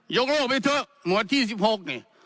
ยกโลกไปเถอะหมวดที่สิบหก